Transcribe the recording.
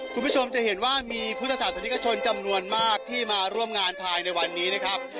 คุณผู้ชมจะเห็นว่ามีพุทธศาสนิกชนจำนวนมากที่มาร่วมงานภายในวันนี้นะครับ